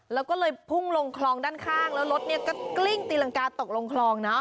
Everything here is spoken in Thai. แล้วก็เลยพุ่งลงคลองด้านข้างแล้วรถเนี่ยก็กลิ้งตีรังกาตกลงคลองนะ